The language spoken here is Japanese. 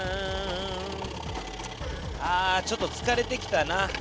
ちょっとつかれてきたな。